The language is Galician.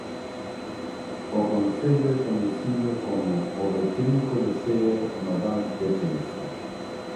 O concello é coñecido como o «Retrinco de ceo no Val de Tenza».